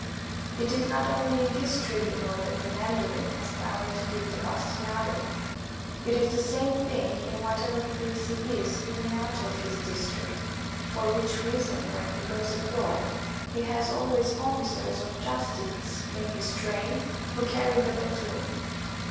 It is not only in his tribunal that the mandarin has power to give the bastinado; it is the same thing in whatever place he is, even out of his district, for which reason when he goes abroad he has always officers of justice in his train who carry the battoon.